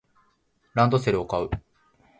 ランドセルを買う